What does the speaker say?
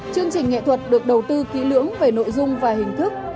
chương trình nghệ thuật được đầu tư kỹ lưỡng về nội dung và hình thức